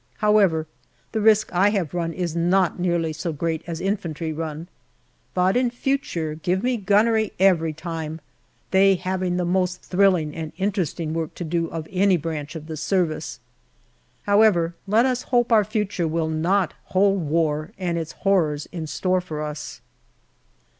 However, the risk I have run is not nearly so great as infantry run ; but in future give me gunnery every time, they having the most thrilling and interesting work to do of any branch of the Service. How ever, let us hope our future will not hold war and its horrors in store for us.